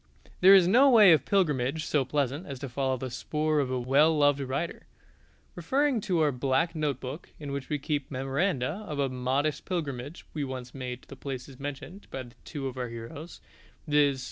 There is no way of pilgrimage so pleasant as to follow the spoor of a well loved writer. Referring to our black note book, in which we keep memoranda of a modest pilgrimage we once made to places mentioned by two of our heroes, viz.